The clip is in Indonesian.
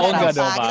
oh enggak dong pak